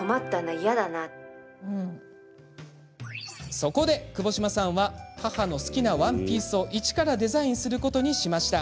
そこで、くぼしまさんは母の好きなワンピースをいちからデザインすることにしました。